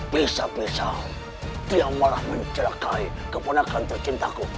bisa bisa dia malah mencelakai keponakan tercintaku